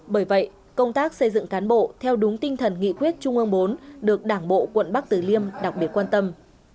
bởi vậy công tác xây dựng cán bộ theo đúng tinh thần nghị quyết trung ương bốn được đảng bộ quận bắc tử liêm đặc biệt quan tâm